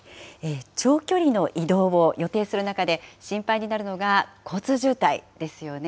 長距離の移動を予定する中で、心配になるのが交通渋滞ですよね。